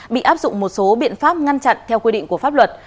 bị áp dụng một số biện pháp ngăn chặn theo quy định của pháp luật